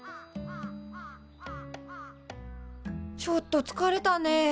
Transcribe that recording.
ちょっとつかれたね。